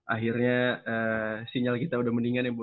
akhirnya sinyal kita udah mendingan ya bu